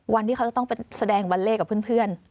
วันที่เขาจะต้องไปแสดงวันเลขกับเพื่อน